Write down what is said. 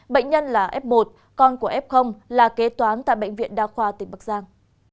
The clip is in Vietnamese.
bệnh nhân là f một con của f là kế toán tại bệnh viện đa khoa tỉnh bắc giang